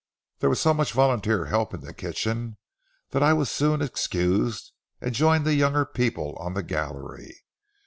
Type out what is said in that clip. There was so much volunteer help in the kitchen that I was soon excused, and joined the younger people on the gallery.